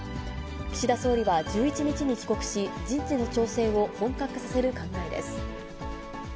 岸田総理は１１日に帰国し、人事の調整を本格化させる考えです。